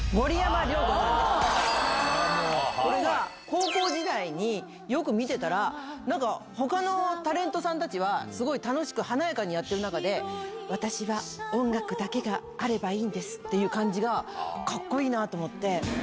高校時代によく見てたら他のタレントさんたちは楽しく華やかにやってる中で「私は音楽だけがあればいいんです」っていう感じがカッコいいな！と思って。